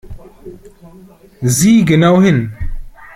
Sieh genau hin!